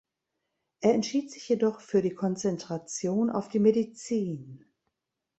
Er entschied sich jedoch für die Konzentration auf die Medizin.